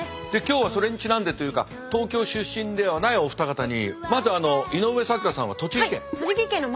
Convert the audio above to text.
で今日はそれにちなんでというか東京出身ではないお二方にまず井上咲楽さんは栃木県。